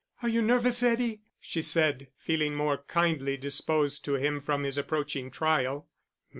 "Are you nervous, Eddie?" she said, feeling more kindly disposed to him from his approaching trial.